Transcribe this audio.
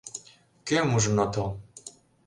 Кӧм ужын отыл?